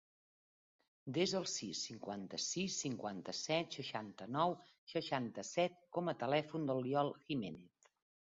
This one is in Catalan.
Desa el sis, cinquanta-sis, cinquanta-set, seixanta-nou, seixanta-set com a telèfon de l'Iol Jimenez.